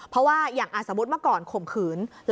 เพราะว่าอย่างสมมุติเมื่อก่อนข่มขืน